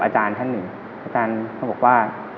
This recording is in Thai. อาจารย์ท่านหนึ่งอาจารย์เขาบอกว่า